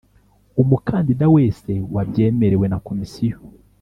Umukandida wese wabyemerewe na Komisiyo